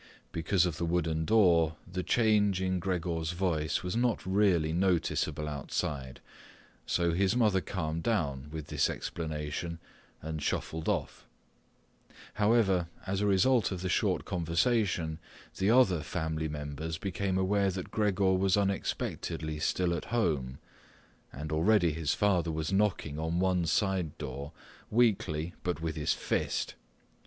Because of the wooden door the change in Gregor's voice was not really noticeable outside, so his mother calmed down with this explanation and shuffled off. However, as a result of the short conversation, the other family members became aware that Gregor was unexpectedly still at home, and already his father was knocking on one side door, weakly but with his fist.